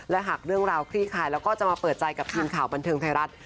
และหากเรื่องราวคลี่คลายแล้วก็จะมาเปิดใจกับทีมข่าวบันเทิงไทยรัฐ